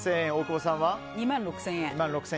２万６０００円。